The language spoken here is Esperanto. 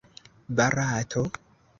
Barato?